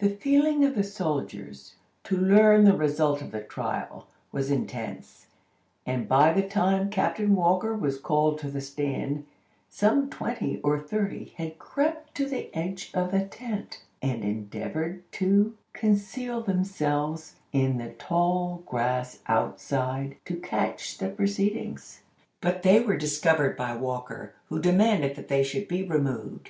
The feeling of the soldiers, to learn the result of the trial, was intense, and by the time Captain Walker was called to the stand, some twenty or thirty had crept to the edge of the tent, and endeavored to conceal themselves in the tall grass outside, to catch the proceedings. But they were discovered by Walker, who demanded that they should be removed.